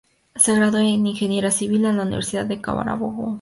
Se graduó en ingeniería civil en la Universidad de Carabobo.